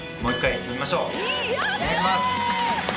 お願いします。